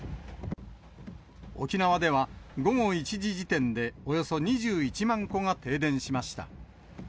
沖縄では午後１時時点でおよそ２１万戸が停電しました。